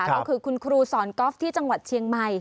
ก็คือคุณครูสอนกอล์ฟที่จังหวัดเชียงใหม่